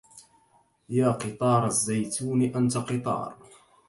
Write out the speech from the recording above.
يا قطار الزيتون أنت قطار